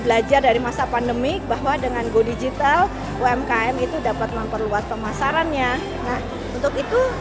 belajar dari masa pandemi bahwa dengan go digital umkm itu dapat memperluas pemasarannya nah untuk itu